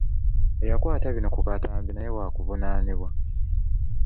Eyakwata bino ku katambi naye waakuvunaanibwa.